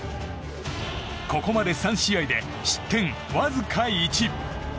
ここまで３試合で失点わずか１。